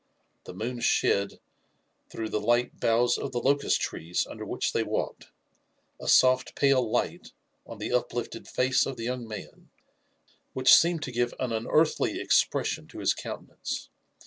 The moon shed, throught the light boughs of the locust treess under which they walked, a soft pale light on the uplifted face of ihe young man, which seemed to give an tinearthly expression to his countenance.